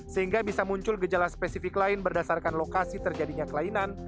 sehingga bisa muncul gejala spesifik lain berdasarkan lokasi terjadinya kelainan